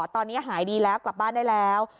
ตอนนี้หายดีแล้วกลับบ้านได้แล้ว